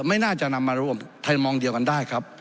ไม่น่าจะนำมารวมไทยมองเดียวกันได้ครับ